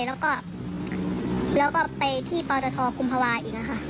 แล้วก็ไปที่ปาวเจ้าทอคุมภาวะอีกนะคะ